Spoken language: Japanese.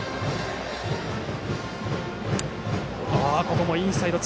ここもインサイドへ。